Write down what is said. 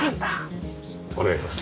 お願いします。